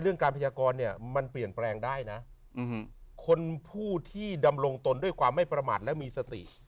การพยากรเนี่ยมันเปลี่ยนแปลงได้นะคนผู้ที่ดำรงตนด้วยความไม่ประมาทและมีสติ